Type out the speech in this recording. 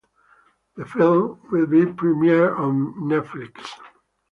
The film will be premiere on Netflix.